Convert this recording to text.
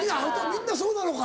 みんなそうなのか。